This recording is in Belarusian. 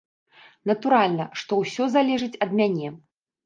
Натуральна, што ўсё залежыць ад мяне.